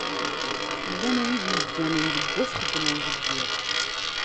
Llan wid yegganen deg ass, xeddmen deg iḍ.